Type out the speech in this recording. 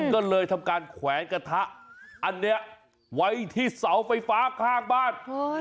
ก็เลยทำการแขวนกระทะอันนี้ไว้ที่เสาไฟฟ้าข้างบ้าน